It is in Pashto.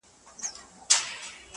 دوى به يو پر بل كوله گوزارونه؛